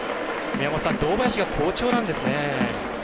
宮本さん、堂林が好調なんですね。